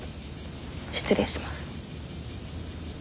失礼します。